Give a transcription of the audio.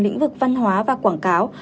lĩnh vực văn hóa và quảng cáo